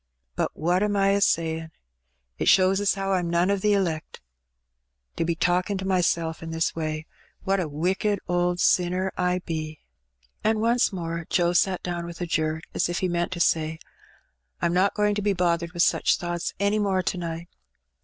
But what am I a sayin'? It shows as how I'm none o* the elect, to 62 Hbb Benny, be talkin' to myself in this way. Wliat a wicked old sinner Ibe!'^ And. once more Joe sat down with a jerk, as if he meant to say, 'Tm not going to be bothered with such thoughts any more to night.